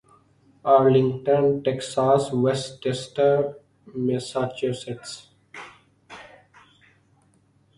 Arlington Texas Westchester Massachusetts